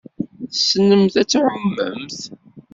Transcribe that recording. Tessnemt ad tɛummemt?